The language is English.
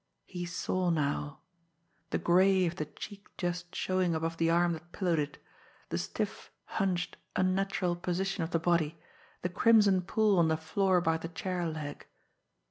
He saw now the gray of the cheek just showing above the arm that pillowed it, the stiff, hunched, unnatural position of the body, the crimson pool on the floor by the chair leg.